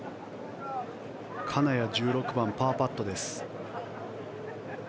金谷、１６番パーパットです。